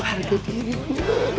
harga diri lu